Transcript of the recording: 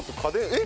えっ？